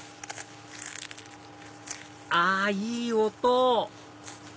あいい音！